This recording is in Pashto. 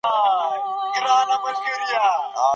ولسمشر سیاسي پناه نه ورکوي.